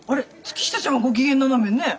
月下ちゃんはご機嫌斜めね。